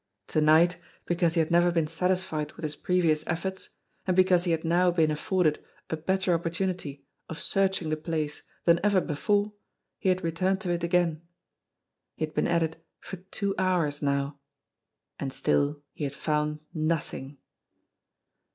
To night, because he had never been satisfied with his previous efforts, and because he had now been afforded a better opportunity of searching the place than ever before, he had returned to it again. He had been at it for two hours now. And still he had found nothing.